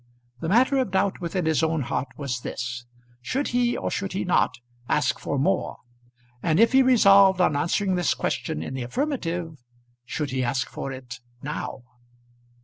The matter of doubt within his own heart was this. Should he or should he not ask for more; and if he resolved on answering this question in the affirmative, should he ask for it now?